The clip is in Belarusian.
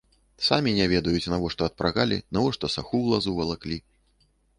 Самі не ведаюць, навошта адпрагалі, навошта саху ў лазу валаклі.